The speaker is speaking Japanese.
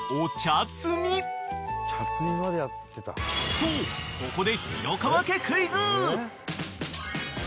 ［とここで］